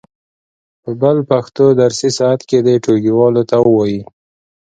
په بل پښتو درسي ساعت کې دې ټولګیوالو ته و وایي.